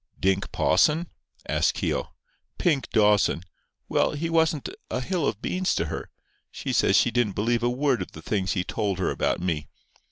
"Dink Pawson?" asked Keogh. "Pink Dawson. Well, he wasn't a hill of beans to her. She says she didn't believe a word of the things he told her about me.